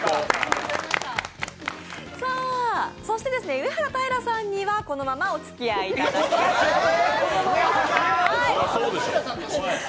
上はらたいらさんには、このままおつきあいいただきます。